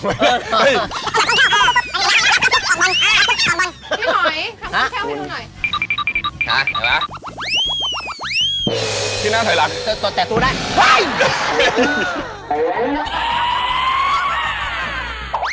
ผมว่ามันเป็นโรคกิจแล้วครับคือไม่ใช่แบบปฏิกิริยากูมันเป็นนะ